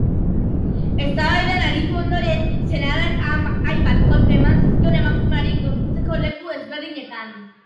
Eztabaidan aritu ondoren, senarrak hainbat kolpe eman zizkion emakumeari gorputzeko leku ezberdinetan.